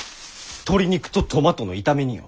鶏肉とトマトの炒め煮よ！